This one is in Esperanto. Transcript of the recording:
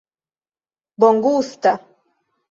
bongusta